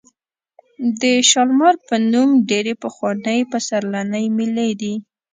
د شالمار په نوم ډېرې پخوانۍ پسرلنۍ مېلې دي.